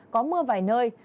có mưa vài nơi